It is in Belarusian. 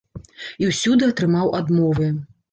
І ўсюды атрымаў адмовы.